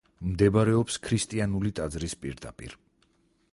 მდებარეობს ქრისტიანული ტაძრის პირდაპირ.